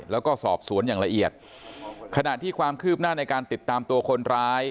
แล้วก็สอบสวนอย่างละเอียดขณะที่ความคืบหน้าในการติดตามตัวคนร้าย